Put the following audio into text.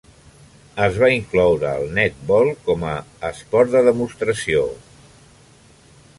Es va incloure el netbol com a esport de demostració.